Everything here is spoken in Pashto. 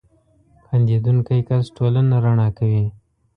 • خندېدونکی کس ټولنه رڼا کوي.